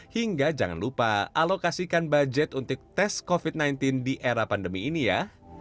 hingga jangan lupa alokasikan budget untuk tes covid sembilan belas di era pandemi ini ya